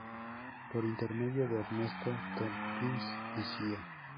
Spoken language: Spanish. Por intermedio de Ernesto Tornquist y Cia.